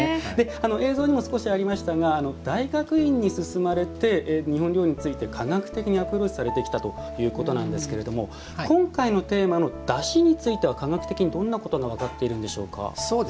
映像にも少しありましたが大学院に進まれて日本料理について科学的にアプローチされてきたということなんですけれども今回のテーマのだしについては科学的にどんなことが分かっているんでしょうか。